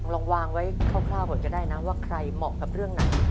ลองวางไว้คร่าวก่อนก็ได้นะว่าใครเหมาะกับเรื่องไหน